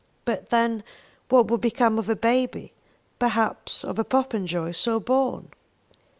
But then what would become of a baby perhaps of a Popenjoy so born?